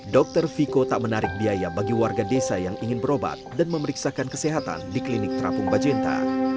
dokter viko tak menarik biaya bagi warga desa yang ingin berobat dan memeriksakan kesehatan di klinik terapung bajenta